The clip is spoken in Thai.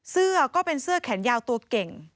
เสื้อก็เป็นเสื้อแขนยาวตัวเก่ง